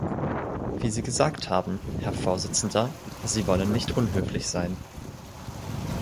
Wie Sie gesagt haben, Herr Vorsitzender, Sie wollen nicht unhöflich sein.